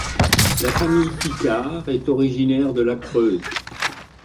La famille Picard est originaire de la Creuse.